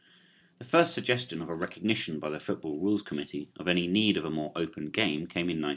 The first suggestion of a recognition by the football rules committee of any need of a more open game came in 1903.